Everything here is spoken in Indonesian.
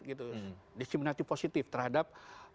gitu diskriminasi positif terhadap